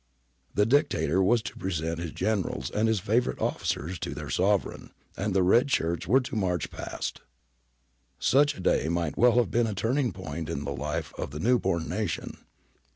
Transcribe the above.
The Dicta tor was to present his Generals and his favourite officers to their Sovereign, and the red shirts were to march past. Such a day might well have been a turning point in the life of the new born nation.